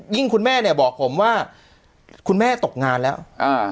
คุณแม่เนี่ยบอกผมว่าคุณแม่ตกงานแล้วอ่า